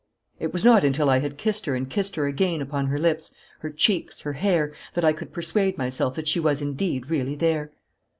It was not until I had kissed her and kissed her again upon her lips, her cheeks, her hair, that I could persuade myself that she was indeed really there.